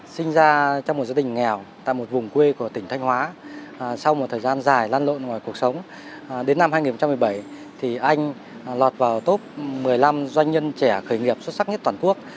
sinh ra trong một gia đình nghèo tại một vùng quê của tỉnh thanh hóa sau một thời gian dài lan lộn ngoài cuộc sống đến năm hai nghìn một mươi bảy thì anh lọt vào top một mươi năm doanh nhân trẻ khởi nghiệp xuất sắc nhất toàn quốc